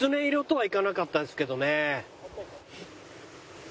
はい。